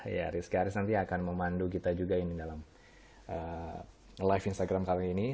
ya rizky aris nanti akan memandu kita juga ini dalam live instagram kali ini